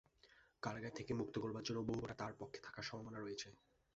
কারাগার থেকে মুক্ত করার জন্য বহু ভোটার তাঁর পক্ষে থাকার সম্ভাবনা রয়েছে।